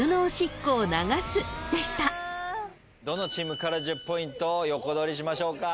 どのチームから１０ポイント横取りしましょうか？